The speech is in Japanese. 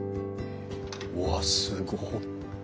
うわすごっ！